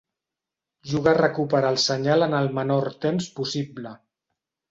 Juga a recuperar el senyal en el menor temps possible.